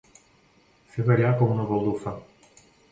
Fer ballar com una baldufa.